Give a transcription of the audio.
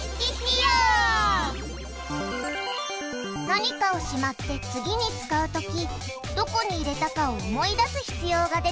何かをしまって次に使うときどこに入れたかを思い出す必要が出てくるよね？